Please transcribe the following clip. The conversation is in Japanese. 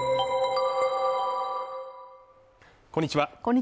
こんにちは